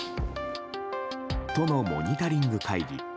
都のモニタリング会議。